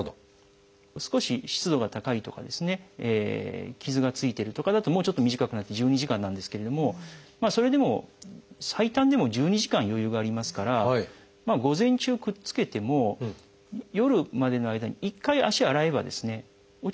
少し湿度が高いとか傷がついてるとかだともうちょっと短くなって１２時間なんですけれどもそれでも最短でも１２時間余裕がありますから午前中くっつけても夜までの間に一回足を洗えば落ちちゃうんですね。